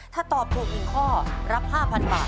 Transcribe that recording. ถ้าตอบถูก๑ข้อรับ๕๐๐บาท